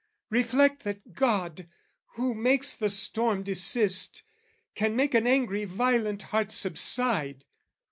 "Reflect that God, who makes the storm desist, "Can make an angry violent heart subside.